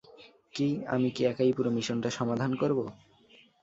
কি, আমি কি একাই পুরো মিশনটা সমাধান করব?